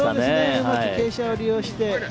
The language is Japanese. うまく傾斜を利用して。